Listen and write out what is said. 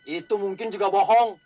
itu mungkin juga bohong